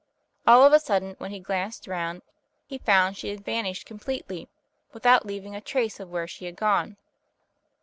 All of a sudden, when he glanced round, he found she had vanished completely, without leaving a trace of where she had gone.